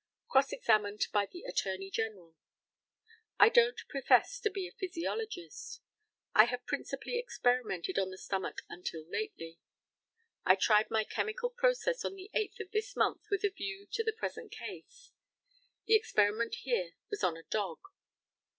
Cross examined by the ATTORNEY GENERAL: I don't profess to be a physiologist. I have principally experimented on the stomach until lately. I tried my chemical process on the 8th of this month with a view to the present case. The experiment here was on a dog.